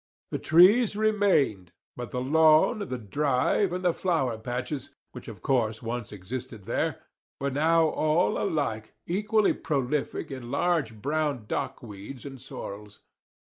The trees remained, but the lawn, the drive, and the flower patches, which of course once existed there, were now all alike, equally prolific in large brown dock weeds and sorrels.